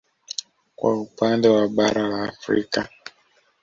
Kwa upande wa bara la Afrika